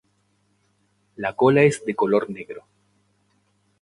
La cola es de color negro.